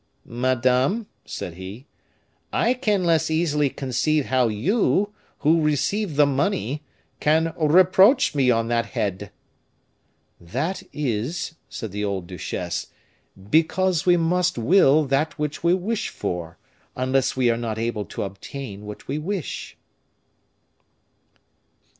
"Madame," said he, "I can less easily conceive how you, who received the money, can reproach me on that head " "That is," said the old duchesse, "because we must will that which we wish for, unless we are not able to obtain what we wish."